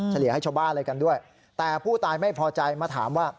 เลียให้ชาวบ้านอะไรกันด้วยแต่ผู้ตายไม่พอใจมาถามว่า